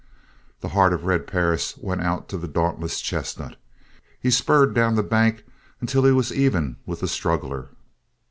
The heart of Red Perris went out to the dauntless chestnut. He spurred down the bank until he was even with the struggler.